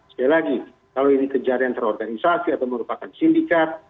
sekali lagi kalau ini kejadian terorganisasi atau merupakan sindikat